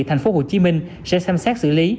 tp hcm sẽ xem xét xử lý